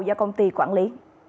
do công ty quản lý